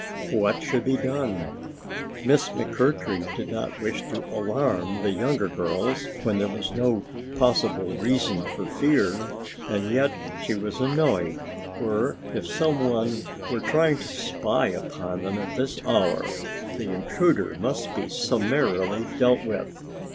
What should be done? Miss McMurtry did not wish to alarm the younger girls, when there was no possible reason for fear, and yet she was annoyed, for if some one were trying to spy upon them at this hour the intruder must be summarily dealt with.